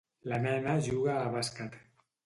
La nena juga a bàsquet.